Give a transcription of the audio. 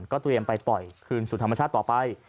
เตรียมไปปล่อยคืนสู่ธรรมชาติต่อไป